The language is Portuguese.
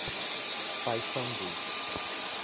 Paiçandu